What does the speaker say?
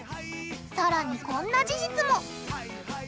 さらにこんな事実も！